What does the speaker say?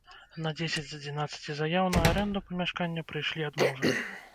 На дзесяць з адзінаццаці заяў на арэнду памяшкання прыйшлі адмовы.